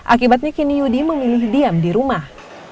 akibatnya kini yudi memilih diam di rumah